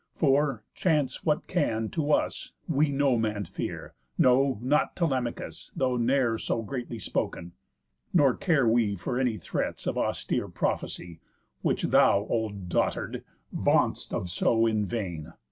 For, chance what can to us, We no man fear, no not Telemachus, Though ne'er so greatly spoken. Nor care we For any threats of austere prophecy, Which thou, old dotard, vaunt'st of so in vain.